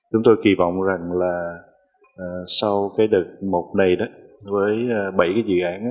chúng tôi kỳ vọng rằng là sau cái đợt một này với bảy dự án